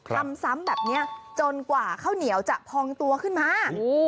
ซ้ำแบบนี้จนกว่าข้าวเหนียวจะพองตัวขึ้นมา